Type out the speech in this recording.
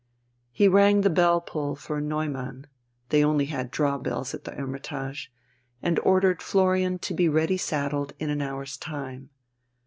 He rang the bell pull for Neumann (they only had draw bells at the Hermitage), and ordered Florian to be ready saddled in an hour's time.